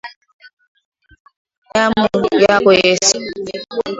Damu yako Yesu.